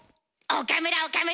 岡村岡村。